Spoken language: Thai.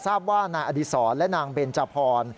ทราบว่านายอดีศรและนางเบนจพร